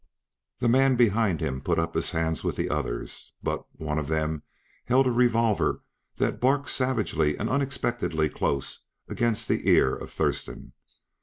The man behind him put up his hands with the other but one of them held a revolver that barked savagely and unexpectedly close against the car of Thurston.